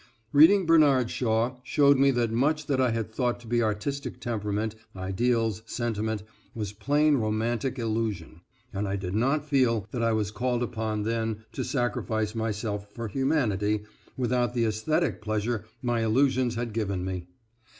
Reading Bernard Shaw showed me that much that I had thought to be artistic temperament, ideals, sentiment, was plain romantic illusion, and I did not feel that I was called upon then to sacrifice myself for humanity, without the esthetic pleasure my illusions had given me.